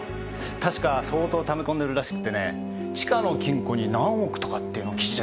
確か相当貯め込んでるらしくてね地下の金庫に何億とかっていうの聞いちゃった。